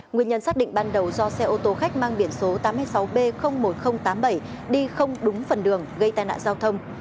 nguyên nhân xác định ban đầu do xe ô tô khách mang biển số tám mươi sáu b một nghìn tám mươi bảy đi không đúng phần đường gây tai nạn giao thông